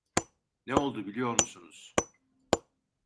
Ne oldu biliyor musunuz?